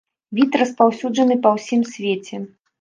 Від распаўсюджаны па ўсім свеце.